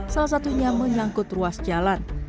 salah satunya menyangkut ruas jalan